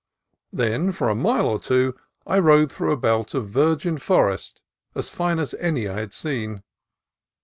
Then for a mile or two I rode through a belt of virgin forest as fine as any I had seen.